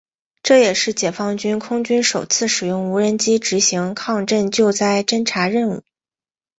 这也是解放军空军首次使用无人机执行抗震救灾侦察任务。